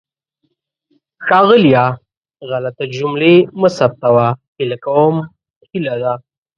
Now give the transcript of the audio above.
ښاغلیه! غلطې جملې مه ثبتوه. هیله کوم هیله ده.